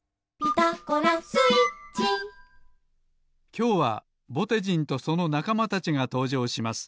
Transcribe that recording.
きょうはぼてじんとそのなかまたちがとうじょうします。